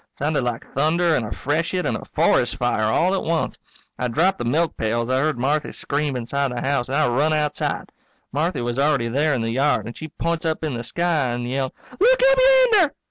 Sounded like thunder and a freshet and a forest fire all at once. I dropped the milkpail as I heard Marthy scream inside the house, and I run outside. Marthy was already there in the yard and she points up in the sky and yelled, "Look up yander!"